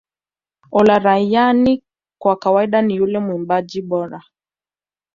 Olaranyani kwa kawaida ni yule mwimbaji bora